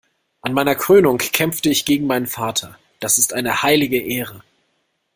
An meiner Krönung kämpfte ich gegen meinen Vater. Das ist eine heilige Ehre.